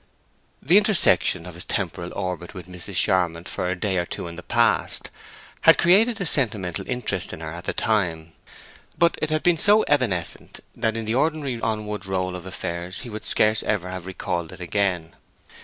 The intersection of his temporal orbit with Mrs. Charmond's for a day or two in the past had created a sentimental interest in her at the time, but it had been so evanescent that in the ordinary onward roll of affairs he would scarce ever have recalled it again.